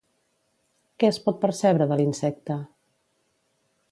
Què es pot percebre de l'insecte?